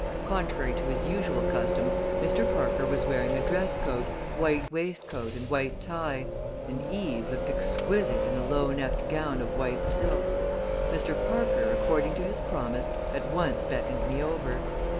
Contrary to his usual custom, Mr. Parker was wearing a dress coat, white waistcoat and white tie; and Eve looked exquisite in a low necked gown of white silk. Mr. Parker, according to his promise, at once beckoned me over.